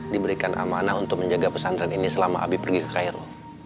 diberikan amanah untuk menjaga pesantren ini selama abi pergi ke cairo